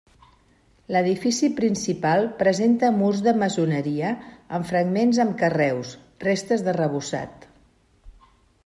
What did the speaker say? L'edifici principal presenta murs de maçoneria, amb fragments amb carreus, restes d'arrebossat.